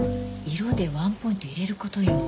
色でワンポイント入れることよ。